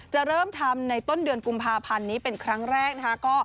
เริ่มทำในต้นเดือนกุมภาพันธ์นี้เป็นครั้งแรกนะคะ